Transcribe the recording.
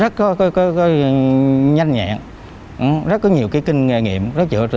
rất có nhiều kinh nghiệm đối tượng này rất nhanh nhẹn rất có nhiều kinh nghiệm đối tượng này rất nhanh nhẹn rất có nhiều kinh nghiệm